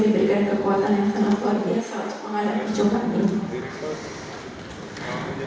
diberikan kekuatan yang sangat luar biasa untuk menghadapi cobaan ini